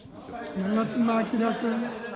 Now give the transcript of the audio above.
長妻昭君。